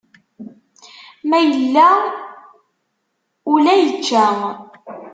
Ma yella ula yečča.